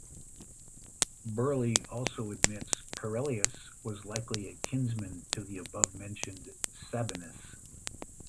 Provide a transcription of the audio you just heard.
Birley also admits Caerellius was likely a kinsman to the above-mentioned Sabinus.